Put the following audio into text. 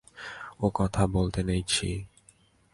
ওকথা বলতে নেই, ছিঃ!